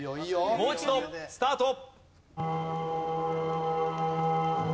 もう一度スタート。